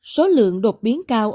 số lượng đột biến cao